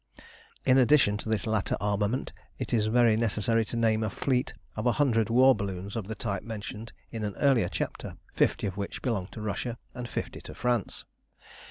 In addition to this latter armament, it is very necessary to name a fleet of a hundred war balloons of the type mentioned in an earlier chapter, fifty of which belonged to Russia and fifty to France.